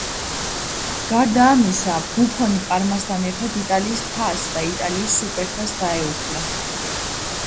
გარდა ამისა, ბუფონი პარმასთან ერთად იტალიის თასს და იტალიის სუპერთასს დაეუფლა.